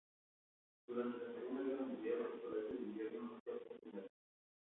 Durante la Segunda Guerra Mundial, el palacio de Invierno no escapó sin daños.